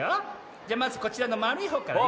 じゃまずこちらのまるいほうからね。